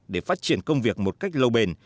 để phát triển công việc một cách lâu bề